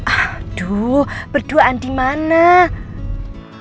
aduh berduaan di v line cafe